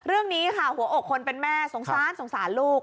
เรื่องนี้ค่ะหัวอกคนเป็นแม่สงสารสงสารลูก